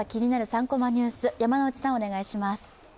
３コマニュース」、山内さん、お願いします。